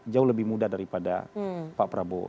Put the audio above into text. jauh lebih mudah daripada pak prabowo